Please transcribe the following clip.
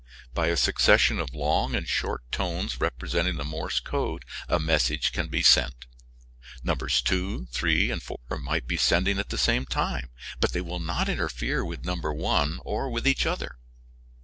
By a succession of long and short tones representing the Morse code a message can be sent. Numbers two, three and four might be sending at the same time, but they would not interfere with number one or with each other.